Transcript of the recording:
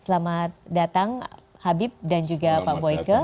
selamat datang habib dan juga pak boyke